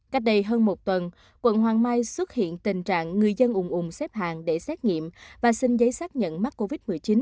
cách đây hơn một tuần quận hoàng mai xuất hiện tình trạng người dân ủng ủn xếp hàng để xét nghiệm và xin giấy xác nhận mắc covid một mươi chín